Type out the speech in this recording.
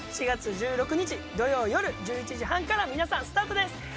４月１６日土曜よる１１時半から皆さんスタートです。